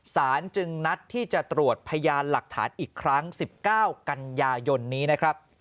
สารจึงนัดที่จะตรวจพยานหลักฐานอีกครั้ง๑๙กันยายนนี้นะครับ